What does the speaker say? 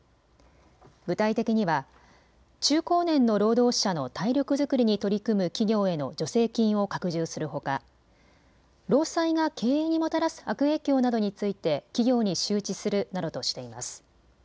具体的には中高年の労働者の体力作りに取り組む企業への助成金を拡充するほか労災が経営にもたらす悪影響などについて、企業に周知するなどとしています。